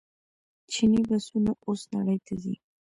چیني بسونه اوس نړۍ ته ځي.